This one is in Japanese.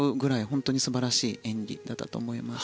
本当に素晴らしい演技だったと思います。